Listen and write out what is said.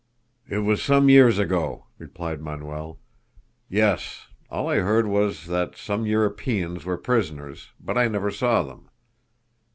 "It was some years ago," replied Manuel. "Yes; all I heard was that some Europeans were prisoners, but I never saw them."